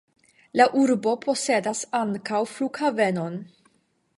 La urbo posedas ankaŭ flughavenon.